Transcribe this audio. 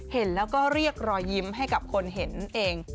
เห็นแล้วก็เรียกรอยยิ้มให้กับคนเห็นเอง